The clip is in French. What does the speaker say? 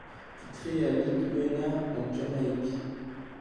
Titré à Licuanea en Jamaïque.